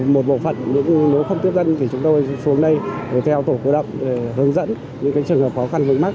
một bộ phận nếu không tiếp dân thì chúng tôi xuống đây theo tổ cơ động để hướng dẫn những trường hợp khó khăn vững mắc